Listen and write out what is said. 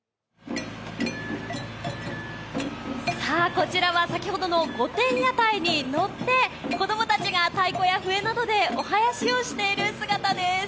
こちらは先ほどの御殿屋台に乗って子供たちが太鼓や笛などでお囃子をしているところです。